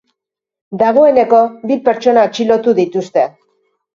Dagoeneko, bi pertsona atxilotu dituzte.